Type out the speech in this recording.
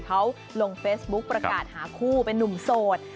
เขาลงเฟซบุ๊คประกาศหาคู่เป็นนุ่มโสด